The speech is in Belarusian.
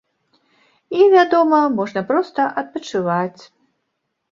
І, вядома, можна проста адпачываць.